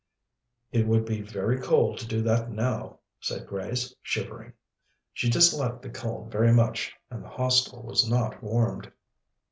"It would be very cold to do that now," said Grace, shivering. She disliked the cold very much, and the Hostel was not warmed.